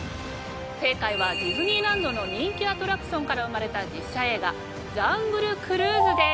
正解はディズニーランドの人気アトラクションから生まれた実写映画『ジャングル・クルーズ』です。